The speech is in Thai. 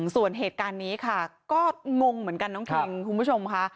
ส่วนเหตุการณ์นี้ค่ะก็งงเหมือนกันน้องคิงคุณผู้ชมค่ะ